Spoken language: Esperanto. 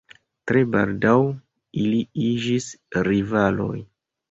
Tre baldaŭ ili iĝis rivaloj.